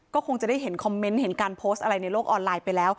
ก็คงจะได้เห็นคอมเมนต์เห็นการโพสต์อะไรในโลกออนไลน์ไปแล้ว